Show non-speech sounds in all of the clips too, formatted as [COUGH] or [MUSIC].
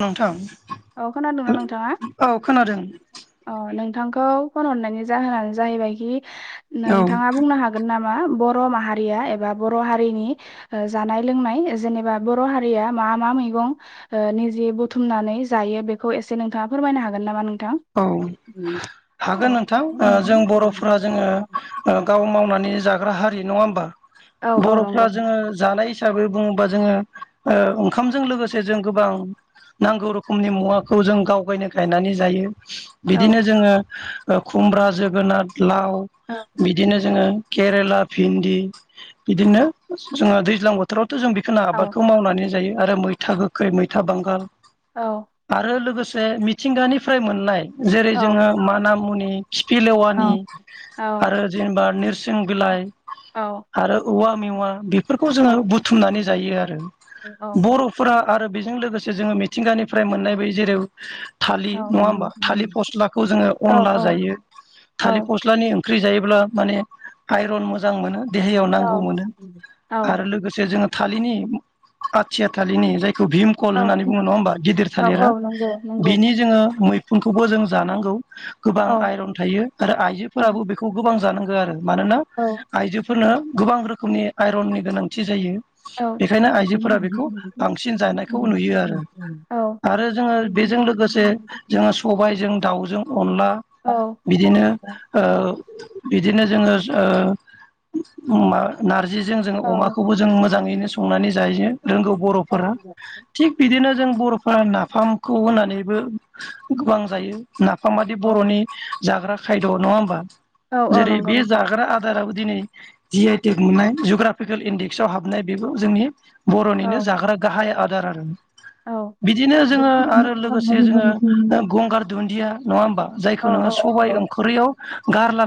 नोंथां औ खोनादोंना नोंथाङा औ खोनादों औ नों नोंथांखौ फन हरनायनि जाहोनानो जाहैबायखि औ नोंथाङा बुंनो हागोन नामा बर' माहिरिया एबा बर' हारिनि जानाय लोंनाय जेनेबा बर' हारिया मा मा मा मैगं ओ निजे बुथुमनानै जायो बेखौ एसे नोंथाङा फोरमायनो हागोन नामा नों औ हागोन नोंथां जों बर'फोरा जोङो गाव मावना नै जाग्रा हारि नङा हमबा औ औ बर'फोरा नंगौ जोङो जानाय हिसाबै बुङोबा जोङो ओ ओंखामजों लोगोसे जों गोबां नांगौ रोखोमनि मुवाखौ जों गावगायनो गायनानै जायो। औ बिदिनो जोङो खुमब्रा जोगोनार लाव बिदिनो जोङो केरेला भिन्दि बिदिनो जोङो दैज्लां बोथोराव थ जों बेखौनो औ आबादखौ मावनानै जायो आरो मैथा गोखै, मैथा बांगाल औ आरो लोगोसे मिथिंगानिफ्राय मोननाय जेरै जोङो मान मुनि औ खिफिलेवानि औ आरो जेनेबा नोरसिं बिलाइ आरो औवा मेवा बेफोरखौ जोङो बुथुमनानै जायो आरो औ बर'फोरा आरो बेजों लोगोसे जोङो मिथिंगानिफ्राय मोननाय बे जेरै थालिर नङा होमबा थालिर फस्लाखौ जोङो अनला जायो थालिर फस्लानि ओं ख्रि जायोब्ला माने आइरन मोजां मोनो। देहायाव औ नांगौ मोनो औ आरो लोगोसे जोङो थालिरनि आथिया थालिरनि जाय खौ भिम कल औ होननानै बुङो नङा होमबा गिदिर औ औ थालिरा नंगौ नंगौ बिनि जोङो मै खौबो जों जानांगौ गोबां औ आइरन थायो आरो औ आइजोफोराबो बेखौ गोबां जानांगौ आरो मानोना औ आइजोफोरनो गोबां रोखोमनि आइरननि गोनांथि जायो। औ बेखायनो आइजोफोरा बेखौ बांसिन जानायखौ नुयो आरो आरो जोङो बे जों लोगोसे जों सबायजों दाउजों अनला बिदिनो ओ बिदिनो जोङो ओ मा नारजिजों जोङो अमाखौबो जों मोजाङैनो संनानै जायो। रोंगौ बर'फोरा थिग बिदिनो जों बर'फोरा नाफामखौ होनानैबो गोबां जायो नाफाम बादि बर'नि जाग्रा खायद' नङा होमबा औ औ जेरै नंगौ बे नोंथां जाग्रा आदाराबो दिनै जि आइ टेग मोननाय जग्राफिकेल इन्डेक्सआव हाबनाय बेबो जोंनि औ बर'निनो जाग्रा गाहाय आदार आरो औ बिदिनो जोङो आरो लोगोसे जोङो गंगार दुन्दिया नङा होमबा? जायखौ नोङो सबाय ओंख्रियाव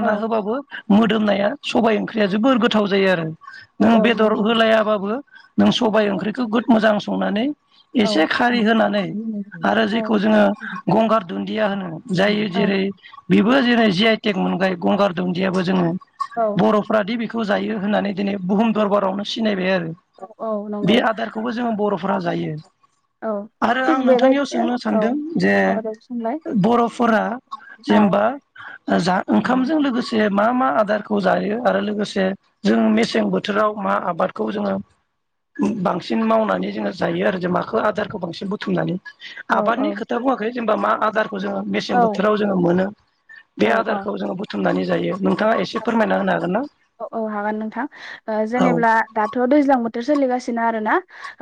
औ होबाबो मोदोमनाया सबाइ ओंख्रिया जोबोर गोथाव जायो आरो औ नों औ बेदर नंगौ औ होलायाबाबो नों सबाय ओंख्रिखौ गोद मोजां संनानै औ एसे खारै होनानै आरो जेखौ जोङो गंगार दुन्दिया होनो जायो जेरै बेबो जेरै जि आइ टेग मोनबाय गंगार दुन्दियाबो जोङो औ बर'फोरादि बेखौ जायो होननानै दिनै बुहुम दरबारावनो सिनायबाय आरो। औ बे नंगौ आदारखौबो जोङो बर'फोरा जायो। औ आरो थिग आं नोंथांनियाव बेबायदिनो सोंनो सानदों जे [UNINTELLIGIBLE] बर'फोरा औ जेनेबा जा औ ओंखामजों लोगोसे मा मा मा आदारखौ जायो आरो लोगोसे जों मेसें बोथोराव मा आबादखौ जोङो बांसिन मावनानै जोङो जायो आरो जों माखौ आदारखौ बांसिन बुथुमनानै औ आबादनि औ खोथा बुङाखै जेनेबा मा आदारखौ जोङो मेसें औ बोथोराव जोङो मोनो बे औ आदारखौ जोङो बुथुमनानै जायो नोंथाङा एसे फोरमायना होनो हागोन ना औ औ हागोन नोंथां औ जेनेब्ला दाथ' दैज्लां बोथोर सोलिगासिनो आरोना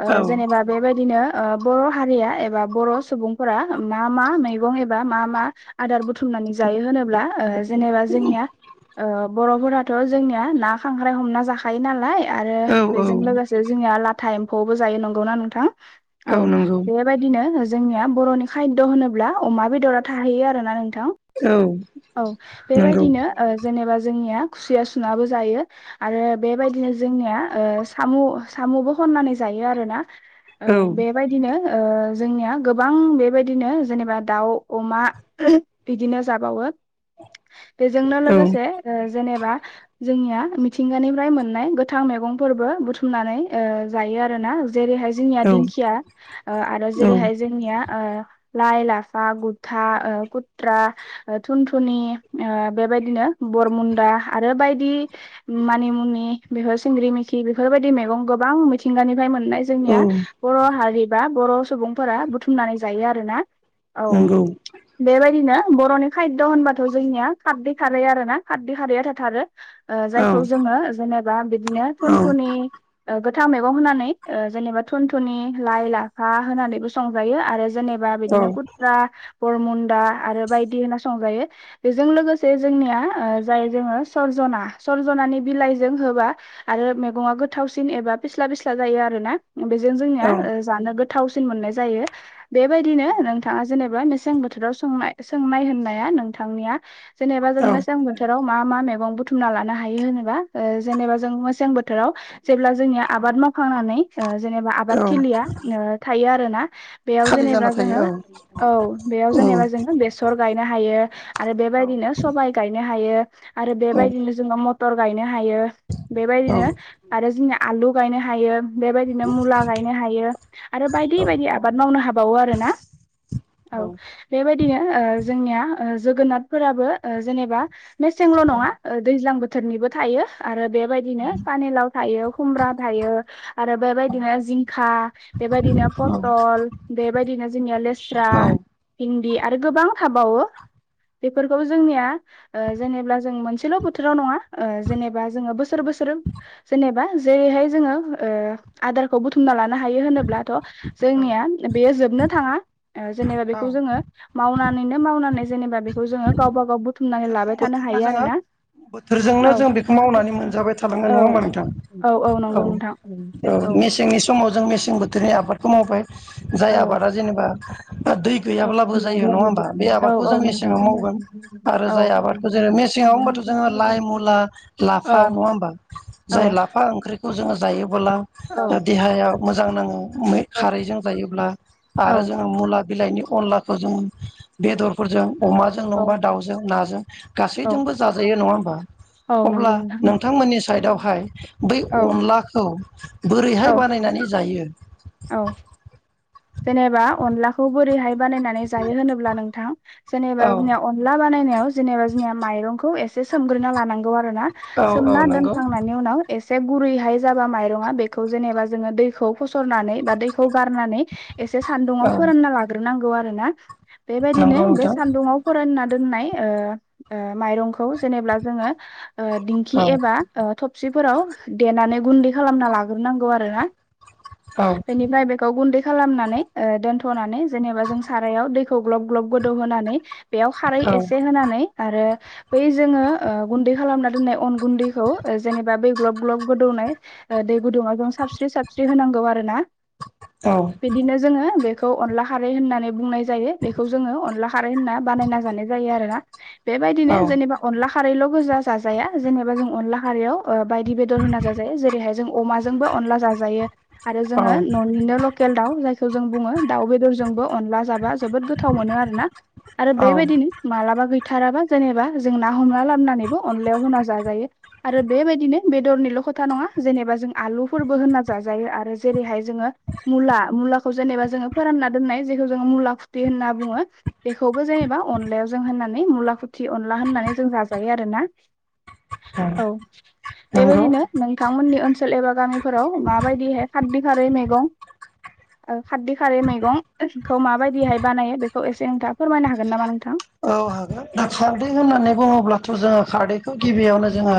ओ औ जेनबा बेबादिनो ओ बर' हारिया एबा बर' सुबुंफोरा मा मा मैगं एबा मा मा आदार बुथुमनानै जा जायो होनोब्ला ओ जेनेबा जोंनिया ओ बर'फोराथ' जोंनिया ना खांख्राइ हमना जाखायो नालाय आरो औ औ बेजों लोगोसे जोंनिया लाथा एम्फौआवबो जायो नंगौना नोंथां? औ बेबायदिनो जोंनिया बर'नि खायद' होनोब्ला अमा बेदरा थाहैयो आरोना नों नोंथां औ औ नंगौ बेबायदिनो ओ जेनेबा जोंनिया खुसिया सुनाबो जायो आरो बेबायदिनो जोंनिया ओ सामु सामु खौबो खननानै जायो आरोना औ बेबायदिनो ओ जोंनिया गोबां बेबायदिनो जेनेबा दाउ अमा बिदिनो जाबावो। बेजोंनो औ लोगोसे जेनेब बा जोंनिया मिथिंगानिफ्राय मोननाय गोथां मैगंफोरबो बुथुमनानै ओ जायो आरोना। जेरैहाय जोंनिया औ दिंखिया आरो जेरैहाय जोंनिया ओ लाइ लाफा गुथा कुथ्रा थुनथुनि ओ बेबायदिनो बरमुन्दा आरो बायदि मानिमुनि बेफोर सिंग्रि मिखि बेफोरबाय बायदि गोबां मिथिंगानिफ्राय मोन नाय औ जोंनिया बर' हारि बा बर' सुबुंफोरा बुथुमनानै जायो आरो ना। औ नंगौ बेबायदिनो बर'नि खायदद' होनबाथ' जोंनिया खारदै खारै आरो ना खारदै खारैया थाथारो। ओ औ जायखौ जोङो जेनेबा बिदिनो थुनथुनि ओ गोद था मेगं होनानै जेनेबा थुन थुनि लाइ लाफा होनानैबो संजायो आरो जेनेबा औ बिदिनो खुथ्रा बरमुन्दा आरो बायदि होना संजायो बेजों लोगोसे जोंनिया ओ जाय जोङो सरजना सरजनानि बिलाइजों होबा आरो मैगंआ गोथावसिन एबा फिस्ला फिस्ला जायो आरो ना। बेजों जोंनिया औ जानो गोथावसिन मोननाय जायो बेबायदिनो नोंथाङा जेनेबा मे मेसें बोथोराव संनाय सोंनाय होननाया नोंथांनिया जेनेबा जों औ मेसें बोथोराव मा मा मेगं बुथुमना लानो हायो होनोबा जेनबा जों मेसें बोथोराव जेब्ला जोंनिया आबाद मावखांनानै ओ जेनेबा औ आबाद थिलिया थायो आरो ना। बेयाव खालि जाना जेनेबा जोङो थायो औ बेयाव औ जेनेबा जोङो बेसर गायनो हायो आरो बे औ बेबायदिनो सबाय गायनो हायो आरो औ बेबायदिनो जों मथर गायनो हा हायो औ बेबायदिनो आरो जोंनि आलु गायनो हायो। बेबायदिनो मुला गायनो हायो आरो बायदि बायदि आबाद मावनो हाबावो आरो ना। औ बेबायदिनो ओ जोंनिया जोगोनारफोराबो जेनेबा मेसेंल' नङा दैज्लां बोथोरनिबो थायो आरो बेबायदिनो पानिलाव थायो खुमब्रा थायो बेबायदिनो जिंखा बेबादिनो पथल बेबायदिनो जोंनिया लेस्रा भिन्दि आरो गोबां थाबावो बेफोरखौ जोंनिया जेनेबा जों मोनसेल' बोथोराव नङा जेनेबा जोङो बोसोर बोसोर जेनेबा जेरैहाय जोङो आदारखौ बुथुमना ल नो हायो होनोब्लाथ' जोंनिया बेयो जोबनो थाङा। जेनेबा बेखौ जोङो मावनानैनो मावनानै जेनेबा बेखौ जोङो गावबा गाव बुथुमनानै लाबाय थानो बोथोरजों हायो जोङो आरोना बोथोरजोंनो औ जों बेखौ मावनानै मोनजाबाय थालांगोन नङा औ होमबा नोंथां औ औ। मेसेंनि समाव जों मेसें बोथोरनि आबादखौ मावबाय जाय औ आबादा जेनेबा दै औ गैयाब्लाबो जायो नङा होमबा बे औ आबादखौ जों औ नोंथां मेसेङाव मावगोन। आरो औ जाय आबादखौ जों मेसें आव होनबाथ' जों लाइ मुला लाफा औ नङा होनबा औ जाय लाफा ओंख्रिखौ जोङो जायोबोब्ला औ देहाया मोजां नाङो खारैजों जायोब्ला आरो जोङो मुला बिलाइनि अनलाखौ जों बेदरफोरजों अमाजों औ नङाबा दाउ नाजों औ गासैजोंबो जाजायो नङा होमबा औ अब्ला नंगौ नोंथां नोंथांमोननि साइडआवहाय बै औ अनलाखौ बोरैहाय औ बानायनानै जायो औ जेनेबा अनलाखौ बोरैहाय बानायनानै जायो होनोब्ला नोंथां जेनेब्ला औ जोंनिया अनला बानायनानै माइरंखौ इसे सोमग्रोना लानांगौ आरोना औ औ सोमना नंगौ दोनखांनायनि उनाव गुरैहाय जाबा माइरङा बेखौ जेनेबा जोङो दैखौ फसरनानै बा दैखौ गारनानै एसे सान्दुुंआव औ फोरानना लाग्रोनांगौ आरो ना बेबायदिनो नंगौ बे नोंथां सान्दुाव फोरानना ओ माइरं खौ जेनेबा जोंङो दिंखि औ एबा थबसि सिफोराव देनानै गुन्दै खालामना लाग्रोनांगौ आरो ना औ बेनिफ्राय बेखौ गुन्दै खालामनानै नानै दोनथ'नानै जेनेबा जों साराइयाव दैखौ ग्लब ग्लब गोदौ होनानै बेयाव खारै एसे औ होनानै आरो बै जोङो गुैन्दै खालामना दोननाय अन गुैखौ जेनेबा बै ग्लब ग्लब गोदौनाय गुदुङाव जों साबस्रि साबस्रि होनांगौ आरो ना औ बिदिनो जोङो बेखौ अनला खारै होननानै बुंनाय जायो बेखौ जोङो अनला खारै होनना बानायना जानाय जायो आरोना औ बेबायदिनो जेनेबा अनला खारैल' गोजा जाजाया जेनेबा जों अनला खारैयाव बायदि बेदर होना जाजायो जेरैहाय जों अमाजोंबो अनला जाजायो आरो औ जोङो न'निनो लकेल दाउ जायखौ जों बुङो दाउ बेदरजोंबो अनला जाबा जोबोद गोथाव मोनो आरो ना आरो औ बेबायदिनो मालाबा गैथ' बुथाराबा जेनेबा जों ना हमना लाबोननानैबो अनलायाव होना जाजायो आरो बेबायदिनो बेदरनिल' खोथा नङा जेनेबा जों आलुफोरबो होनना जाजायो आरो जेरैहाय जोङो मुला मुलाखौ जेनेबा जोङो फोरानना दोननाय जेखौ जोङो मुला फुथि होनना बुङो बेखौबो जेनेबा अनलायाव जों होननानै मुलाफुथि अनला होननानै जों जाजायो आरोना औ नंगौ बेबायदिनो नोंथांमोननि ओनसोल एबा गामिफोराव माबायदिहाय खारदि खारै मैगं खारदि खारै मैगं खौ माबायदिहाय बानायो बेखौ एसे नोंथाङा फोरमायनो हागोन नामा नोंथां औ हागोन दा खारदै होननानै बुङोब्लाथ' जोङो खारदैखौ गिबियावनो जोङो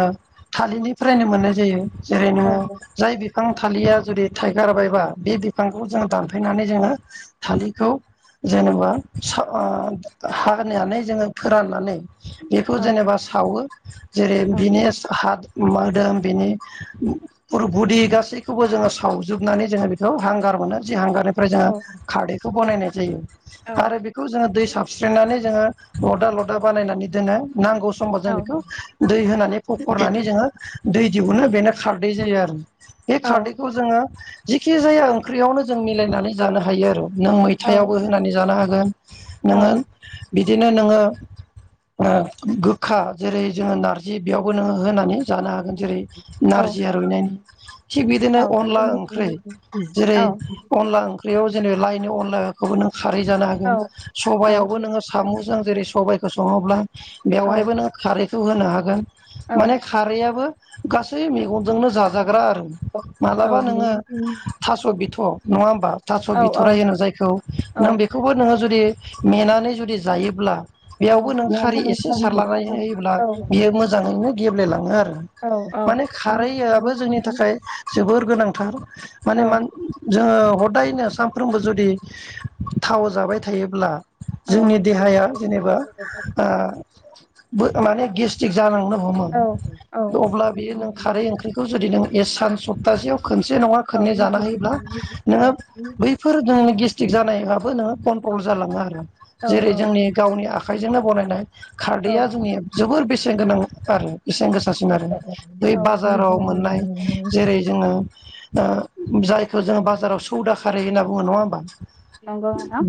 थालिरनिफ्रायनो मोननाय जायो जेरै नोङो जाय बिफां थालिरया जुदि थाइगार बायबा बे बिफांखौ जोङो दानफैनानै जोङो थालिरखौ जेनेबा सा आ हा फाननानै जोङो फोराननानै बेखौ औ जेनेबा सावो जेरै औ [UNINTELLIGIBLE] हा मोदोम बेनि फुल बदि गासैखौबो जोङो सावजोबनानै जोङो बेखौ हांगार खालामो जि हांगारनिफ्राय औ जोंङो खारदैखौ बनायनाय जायो औ आरो बेखौ जोङो दै साबस्रिनानै ओ लदा लदा बानायनानै दोनो नांगौ समाव जों औ बेखौ दै होनानै फखरनानै जोङो दै दिहुननो बेनो खारदै जायो आरो बे औ खारदैखौ जोङो जिखि जाया ओंख्रियावनो जों मिलायनानै जानो हायो आरो नों औ मैथायावबो होनानै जानो हागोन औ नोङो बिदिनो नोङो ओ गोखा जेरै जोङो नारजि बेयावबो नोङो होनानै जानो हागोन जेरै औ नारजिया रुइनायनि थिग बिदिनो औ अनला ओंख्रै जेरै औ अनला ओंख्रैयाव जेने लाइनि अनलाखौबो नों खारै जानो हागोन औ औ सबायाव याव बो नोङो सामुजों जेरै सबायखौ सङोब्ला बेहायबो खारैखौ होनो हागोन औ माने बे खारैआाबो गासै मेगंजोंनो जाजाग्रा आरो मालाबा नोङो थास' बिथ' नङा होमबा थास' औ बिथ'राय होनो जायखौ नों बेखौ बो नोङो जुदि मेनानै जुदि जायोब्ला बेयावबो नों खारि एसे सारलनानै होयोब्ला बियो मोजाङैनो गेब्लेलाङो आरो औ औ माने खारैआबो जोंनि थाखाय जोबोर गोनां थार माने औ मान जोङो ह दायनो सानफ्रोमबो जुदि थाव जाबाय थायोब्ला औ जोंनि देहाया जेनेबा ओ बो माने गेस्टिक जालांनो हमो औ औ अब्ला बियो नों खारै ओंख्रैखौ जुदि नों ए सान सप्तासेयाव खोनसे नङा खोननै जानो होयोब्ला नोङो बैफोर नोंनि गेस्टिक जानाय आबो नोङो कन्ट्रल जालाङो आरो औ जेरै औ जोंनि गावनि आखाइजोंनो बनायनाय खारदैया औ जोंनिया जोबोर बेसेन गोनां आरो बेसेन गोसासिन आरो बै औ बाजाराव मोननाय जेरै जोङो ओ जायखौ जोङो बाजाराव सौदा खारै होनना बुङो नङा होमबा नंगौ नोंथां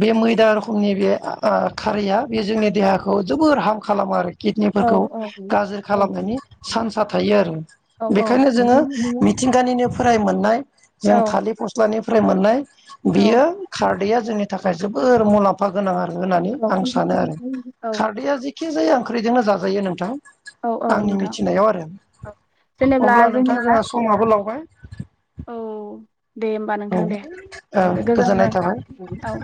फुंनि बे ओ खारैया बे जोंनि औ देहाखौ जोबोर हार्म खालामो आरोखि औ किडनिफोरखौ औ गाज्रि खालामनायनि सान्सा थायो आरो औ बेखायनो जोङो मिथिंगानिनोफ्राय मोननाय जों औ थालिर फस्लानि फ्राय मोननाय बियो खारदैया जोंनि थाखाय जोबोर मुलाम्फा गोनां आरो होननानै आं सानो आरो खारदैआ जेखि-जाया ओंख्रिजोंनो जाजायो नोंथां औ आंनि नोंथां मिथिनायाव आरो औ जेनेब्ला अब्ला नोंथाङा जोंनिया जोंहा समाबो लावबाय औ दे होमबा औ नोंथां दे औ दे गोजोननाय गोजोनथों थाबाय नोंथां औ